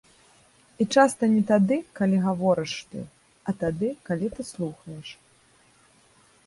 І часта не тады, калі гаворыш ты, а тады, калі ты слухаеш.